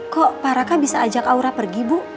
kok paraka bisa ajak aura pergi bu